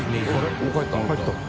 もう帰ったの？